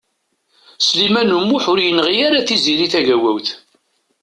Sliman U Muḥ ur yenɣi ara Tiziri Tagawawt.